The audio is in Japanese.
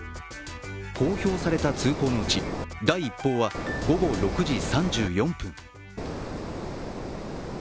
公表された通報のうち、第一報は午後６時３４分。